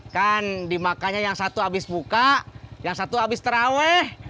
kan dimakanya yang satu abis buka yang satu abis terawih